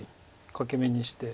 欠け眼にして。